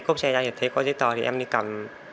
cốp xe ra thấy có giấy tờ thì em đi cầm